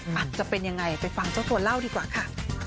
จะเป็นยังไงไปฟังเจ้าตัวเล่าดีกว่าค่ะ